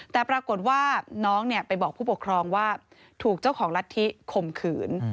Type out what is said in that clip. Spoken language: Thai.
แต่ปรากฏว่าน้องไปบอกผู้ปกครองว่าถูกเจ้าของรัฐธิข่มขืน